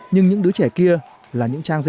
nhưng những đứa trẻ kia là những trang giấy